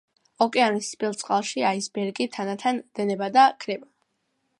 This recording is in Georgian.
ოკეანის თბილ წყალში აისბერგი თანდათან დნება და ქრება.